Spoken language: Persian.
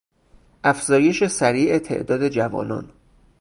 افزایش سریع تعداد جوانان